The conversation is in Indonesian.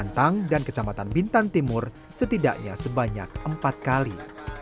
bantang dan kecamatan bintan timur setidaknya sebanyak empat kali